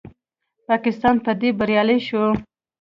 پاکستان په دې بریالی شو